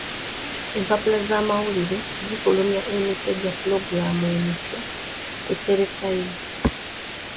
Empapula z'amawulire zifulumya emitwe gya pulogulaamu emipya ku terefayina.